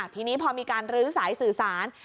ทีนี้พอมีการลื้อสายสื่อสาร